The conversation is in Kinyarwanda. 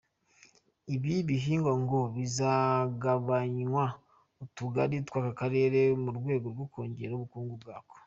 Ibi bihingwa ngo bizagabanywa utugari tw’aka karere mu rwego rwo kongera ubukungu bwako.